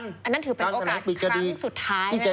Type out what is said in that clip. อันนั้นถือเป็นโอกาสครั้งสุดท้ายนะคะ